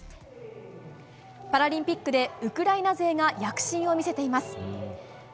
パラリンピックでウクライナ勢が躍進を見せています。